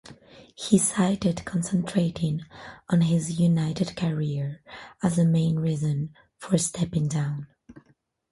He cited concentrating on his United career as the main reason for stepping down.